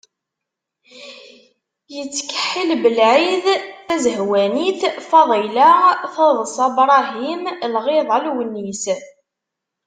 Yettkeḥḥil Belɛid, Tazehwanit Faḍila, Taḍsa Brahim, Lɣiḍa Lewnis.